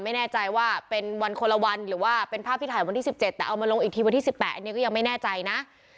ไม่แน่ใจว่าเป็นวันคนละวันหรือว่าเป็นภาพที่ถ่ายวันที่๑๗แต่เอามาลงอีกทีวันที่๑๘อันนี้ก็ยังไม่แน่ใจนะ